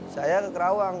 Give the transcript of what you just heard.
saya ke kerawang